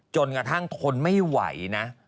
จนกระทั่งทนไม่ไหวนะ